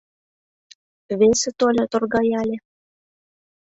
Весе тольо — торгаяле.